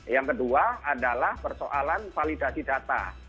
yang kedua adalah persoalan validasi data